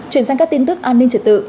chuyển sang các tin tức an ninh trật tự